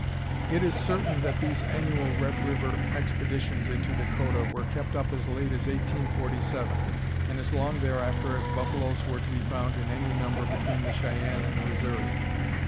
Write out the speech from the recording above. It is certain that these annual Red River expeditions into Dakota were kept up as late as 1847, and as long thereafter as buffaloes were to be found in any number between the Cheyenne and the Missouri.